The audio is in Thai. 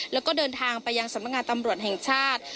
แล้วก็เดินทางไปยังสำนักงานตำรวจแห่งชาติ